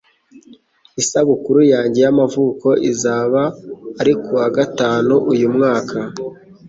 Isabukuru yanjye y'amavuko izaba ari kuwa gatanu uyu mwaka.